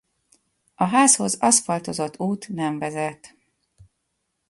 A házhoz aszfaltozott út nem vezet.